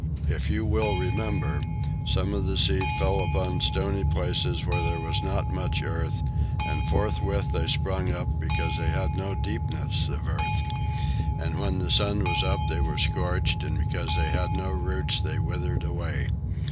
If you will remember, some of the seed fell upon stony places, where there was not much earth, and forthwith they sprung up because they had no deepness of earth. And when the sun was up they were scorched, and because they had no root they withered away.